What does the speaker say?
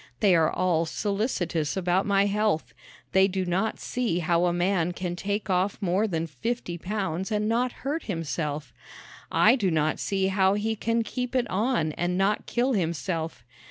They are all solicitous about my health. They do not see how a man can take off more than fifty pounds and not hurt himself. I do not see how he can keep it on and not kill himself.